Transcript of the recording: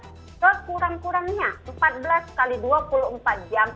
sekurang kurangnya empat belas x dua puluh empat jam